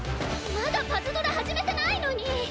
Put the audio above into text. まだパズドラ始めてないのに！